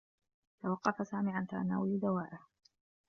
توقّف سامي عن تناول دوائه.